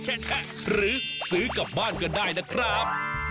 แชะหรือซื้อกลับบ้านก็ได้นะครับ